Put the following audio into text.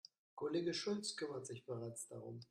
Kollege Schulz kümmert sich bereits darum.